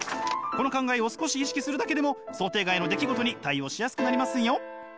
この考えを少し意識するだけでも想定外の出来事に対応しやすくなりますよ！